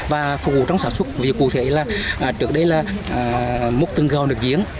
và phục vụ trong sản xuất vì cụ thể là trước đây là một tương giao được diễn